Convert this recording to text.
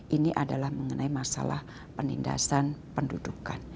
ini adalah mengenai masalah penindasan pendudukan